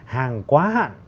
hàng quá hạn